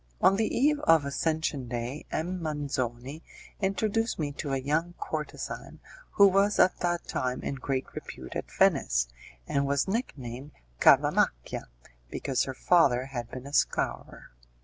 On the eve of Ascension Day M. Manzoni introduced me to a young courtezan, who was at that time in great repute at Venice, and was nick named Cavamacchia, because her father had been a scourer.